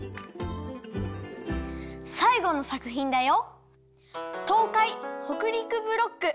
さいごのさくひんだよ。